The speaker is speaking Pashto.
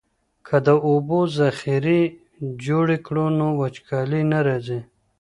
که د اوبو ذخیرې جوړې کړو نو وچکالي نه راځي.